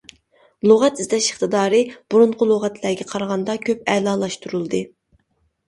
لۇغەت ئىزدەش ئىقتىدارى بۇرۇنقى لۇغەتلەرگە قارىغاندا كۆپ ئەلالاشتۇرۇلدى.